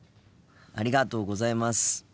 ありがとうございます。